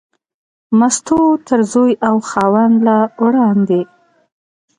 مستو تر زوی او خاوند لا وړاندې.